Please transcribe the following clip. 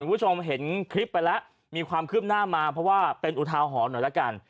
คุณผู้ชมเห็นคลิปไปแล้วมีความคืบหน้ามาเพราะว่าเป็นอุทาหรณ์หน่อยละกัน